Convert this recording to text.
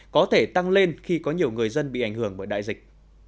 có thể tăng lên khi có nhiều người dân bị ảnh hưởng bởi đại dịch